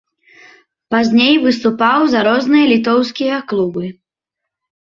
Пазней выступаў за розныя літоўскія клубы.